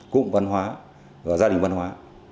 cụm văn hóa và gia đình văn hóa